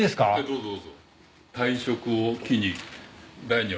どうぞどうぞ。